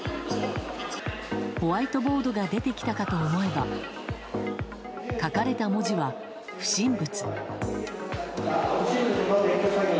ホワイトボードが出てきたかと思えば書かれた文字は「不審物」。